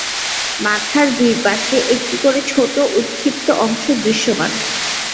মাথার দুইপাশে একটি করে ছোট উৎক্ষিপ্ত অংশ দৃশ্যমান।